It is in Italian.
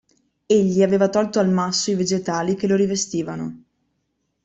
Egli aveva tolto al masso i vegetali che lo rivestivano.